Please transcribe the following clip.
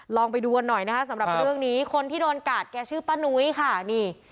ลองไปดูกันหน่อยนะคะสำหรับเรื่องนี้คนที่โดนกัดแกชื่อป้านุ้ยค่ะนี่